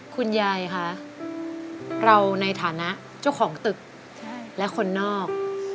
คุณยายคะเราในฐานะเจ้าของตึกและคนนอก